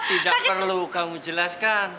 tidak perlu kamu jelaskan